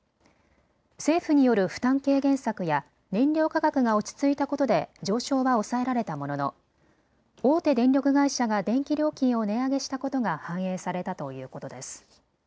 政府による負担軽減策や燃料価格が落ち着いたことで上昇は抑えられたものの大手電力会社が電気料金を値上げしたことが反映されたということです。